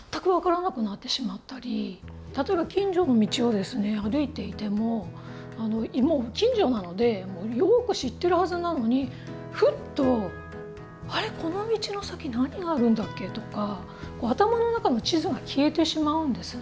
例えば近所の道を歩いていてももう近所なのでよく知ってるはずなのにふっと「あれこの道の先何があるんだっけ？」とか頭の中の地図が消えてしまうんですね。